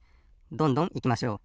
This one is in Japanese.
どんどんいきましょう。